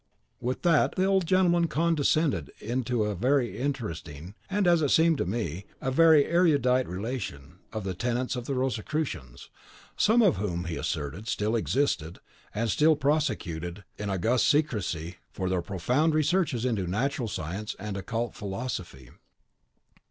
With that the old gentleman condescended to enter into a very interesting, and, as it seemed to me, a very erudite relation, of the tenets of the Rosicrucians, some of whom, he asserted, still existed, and still prosecuted, in august secrecy, their profound researches into natural science and occult philosophy.